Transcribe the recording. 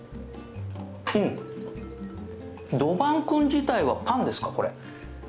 うん、どばんくん自体はパンですか、これ？